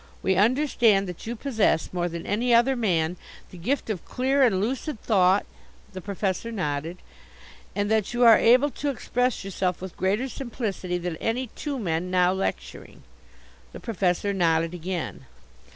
We understand that you possess, more than any other man, the gift of clear and lucid thought " The Professor nodded. "And that you are able to express yourself with greater simplicity than any two men now lecturing." The Professor nodded again.